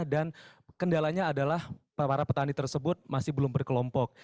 dan kendalanya adalah para petani tersebut masih belum berkelompok